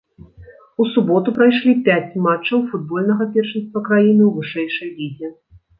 У суботу прайшлі пяць матчаў футбольнага першынства краіны ў вышэйшай лізе.